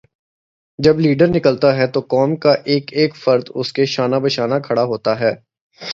جب لیڈر نکلتا ہے تو قوم کا ایک ایک فرد اسکے شانہ بشانہ کھڑا ہوتا ہے۔